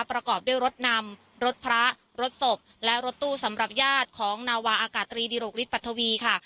ประกอบด้วยรถนำรถพระรถศพและรถตู้สำหรับญาติของนาวาอากาศตรีดิโรคฤทธปัทวีค่ะ